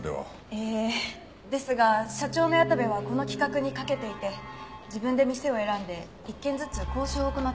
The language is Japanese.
ええですが社長の矢田部はこの企画にかけていて自分で店を選んで１軒ずつ交渉を行ってました。